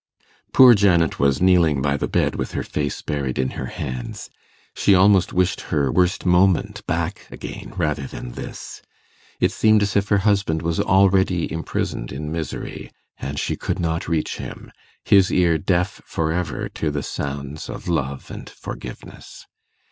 Poor Janet was kneeling by the bed with her face buried in her hands. She almost wished her worst moment back again rather than this. It seemed as if her husband was already imprisoned in misery, and she could not reach him his ear deaf for ever to the sounds of love and forgiveness.